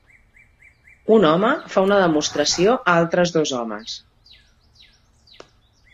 Un home fa una demostració a altres dos homes.